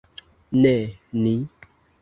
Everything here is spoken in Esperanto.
Ne ni.